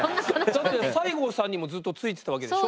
だって西郷さんにもずっとついてたわけでしょ？